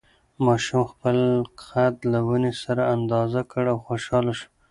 ماشوم خپل قد له ونې سره اندازه کړ او خوشحاله شو.